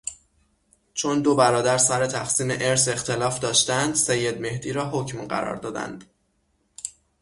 چون دو برادر سر تقسیم ارث اختلاف داشتند، سید مهدی را حکم قرار دادند.